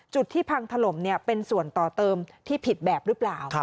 จุดที่พังถล่มเป็นส่วนต่อเติมที่ผิดแบบหรือเปล่า